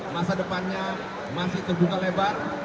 masa depannya masih terbuka lebar